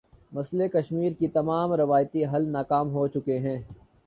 مسئلہ کشمیر کے تمام روایتی حل ناکام ہو چکے ہیں۔